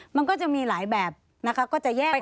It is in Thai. มันก็จะมีหลายแบบก็จะแยกออกไป